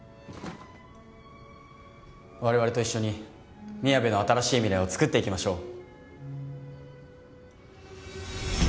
我々と一緒にみやべの新しい未来を創っていきましょう。